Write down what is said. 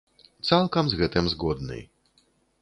Цалкам з гэтым згодны.